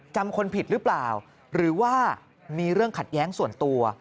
จำคนผิดหรือเปล่าหรือว่ามีเรื่องขัดแย้งส่วนตัว